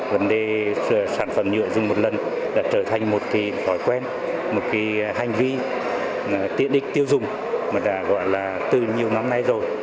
vấn đề sản phẩm nhựa dùng một lần đã trở thành một kỳ thói quen một kỳ hành vi tiết định tiêu dùng mà đã gọi là từ nhiều năm nay rồi